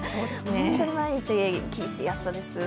本当に毎日、厳しい暑さです。